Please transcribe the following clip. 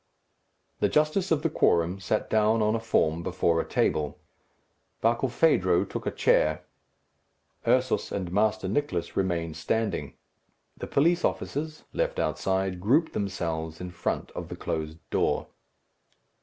The justice of the quorum sat down on a form, before a table. Barkilphedro took a chair. Ursus and Master Nicless remained standing. The police officers, left outside, grouped themselves in front of the closed door.